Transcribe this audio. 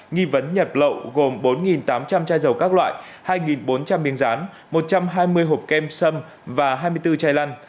nghi vấn nhập lậu gồm bốn tám trăm linh chai dầu các loại hai bốn trăm linh miếng rán một trăm hai mươi hộp kem sâm và hai mươi bốn chai lăn